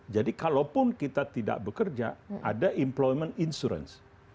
jadi kalaupun kita tidak bekerja ada employment insurance